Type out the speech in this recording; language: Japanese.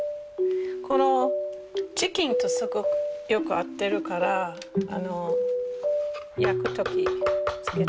このチキンとすごくよく合ってるから焼く時つけてみたら。